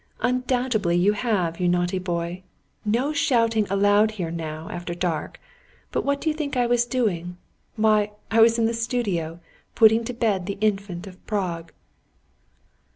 "Undoubtedly you have, you naughty boy! No shouting allowed here now, after dark. But what do you think I was doing? Why, I was in the studio, putting to bed the Infant of Prague."